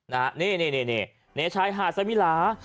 นี่นี่ชายหาดสมิลา